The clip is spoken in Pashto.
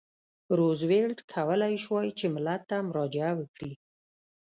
روزولټ کولای شوای چې ملت ته مراجعه وکړي.